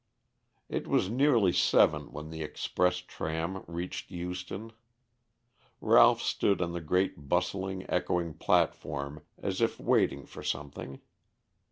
It was nearly seven when the express tram reached Euston. Ralph stood on the great bustling, echoing, platform as if waiting for something.